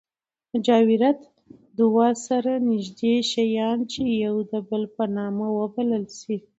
مجاورت دوه سره نژدې شیان، چي يو د بل په نامه وبلل سي.